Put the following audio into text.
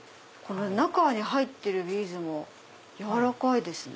中に入ってるビーズも軟らかいですね。